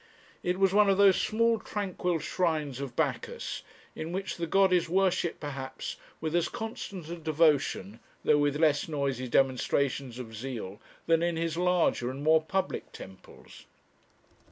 It was one of those small tranquil shrines of Bacchus in which the god is worshipped perhaps with as constant a devotion, though with less noisy demonstrations of zeal than in his larger and more public temples.